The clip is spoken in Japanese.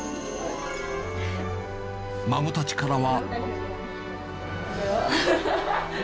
孫たちからは。